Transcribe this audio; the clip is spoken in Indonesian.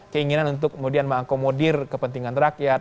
keinginan untuk kemudian mengakomodir kepentingan rakyat